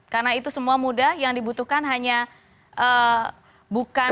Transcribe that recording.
karena itu semua mudah yang dibutuhkan hanya bukan